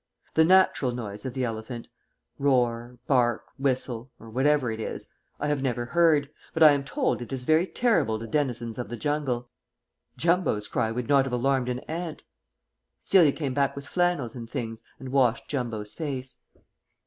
The natural noise of the elephant roar, bark, whistle, or whatever it is I have never heard, but I am told it is very terrible to denizens of the jungle. Jumbo's cry would not have alarmed an ant. Celia came back with flannels and things and washed Jumbo's face.